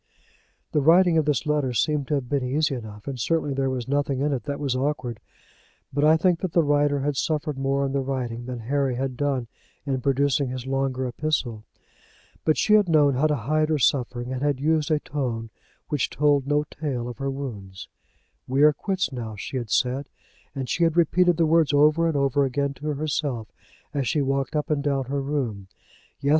The writing of this letter seemed to have been easy enough, and certainly there was nothing in it that was awkward; but I think that the writer had suffered more in the writing than Harry had done in producing his longer epistle. But she had known how to hide her suffering, and had used a tone which told no tale of her wounds. We are quits now, she had said, and she had repeated the words over and over again to herself as she walked up and down her room. Yes!